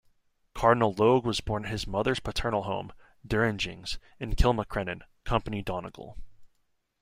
Cardinal Logue was born at his mother's paternal home, "Duringings", in Kilmacrenan, Company Donegal.